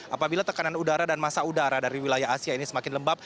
apabila tekanan udara dan masa udara dari wilayah asia ini semakin lembab